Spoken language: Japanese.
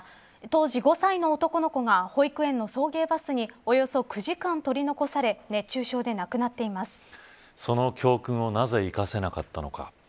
当時５歳の男の子が保育園の送迎バスにおよそ９時間、取り残されその教訓をなぜ生かせなかったのか。